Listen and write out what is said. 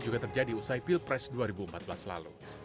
juga terjadi usai pilpres dua ribu empat belas lalu